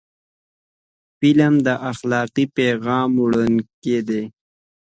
فلم د اخلاقي پیغام وړونکی دی